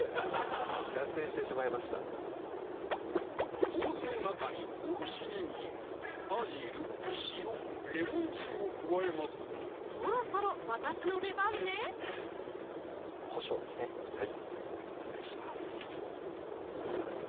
脱線してしまいましたボウルの中におろしにんにく・バジル・塩・レモン汁を加えますぞそろそろ私の出番ねこしょうですねお願いします